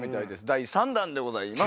第３弾でございます。